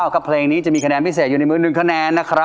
เกรียมเพลงอะไรมาคะ